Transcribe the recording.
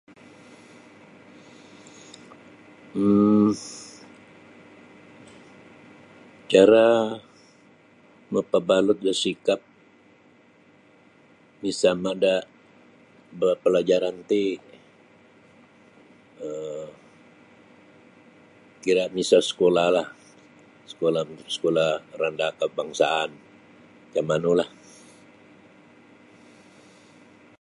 um cara mapabalut da sikap misama' da bepelajaran ti um kira' miso sekolahlah sekolah sekolah rendah kebangsaan macam manulah.